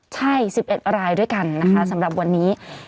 ใช่๑๑รายด้วยกันนะคะสำหรับวันนี้